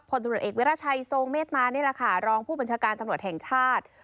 ผลตำรวจเอกวิราชัยทรงเมตมานี่แหละค่ะรองผู้บัญชาการตำรวจแห่งชาติ